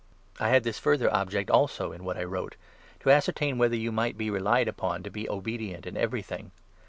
I had this further object, also, in what I wrote — 9 to ascertain whether you might be relied upon to be obedient in everything.